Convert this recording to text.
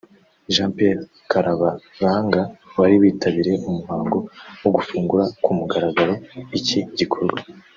Jean Pierre Karabaranga wari witabiriye umuhango wo gufungura ku mugaragaro iki gikorwa